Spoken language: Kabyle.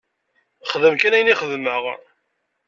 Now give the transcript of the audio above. Xdem kan ayen i xedmeɣ!